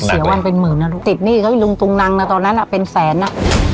โอ้โฮเสียวันเป็นหมื่นนะลูกติดนี่ก็ลุงตุงนังนะตอนนั้นเป็นแสนนะ